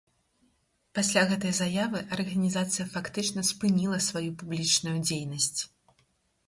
Пасля гэтай заявы арганізацыя фактычна спыніла сваю публічную дзейнасць.